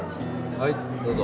はいどうぞ。